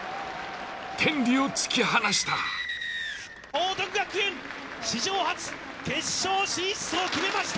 天理を突き放した。